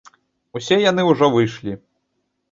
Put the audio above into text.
Усе яны ўжо выйшлі.